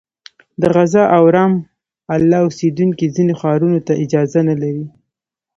د غزه او رام الله اوسېدونکي ځینو ښارونو ته اجازه نه لري.